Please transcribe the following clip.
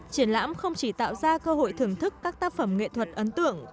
triển lãm không chỉ tạo ra cơ hội thưởng thức các tác phẩm nghệ thuật ấn tượng của mỹ